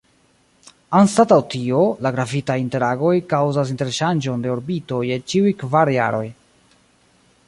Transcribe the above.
Anstataŭ tio, la gravitaj interagoj kaŭzas interŝanĝon de orbito je ĉiuj kvar jaroj.